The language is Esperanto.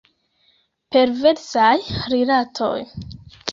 Perversaj rilatoj.